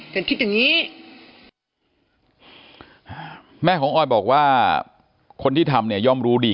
แต่คิดอย่างงี้แม่ของออยบอกว่าคนที่ทำเนี่ยย่อมรู้ดี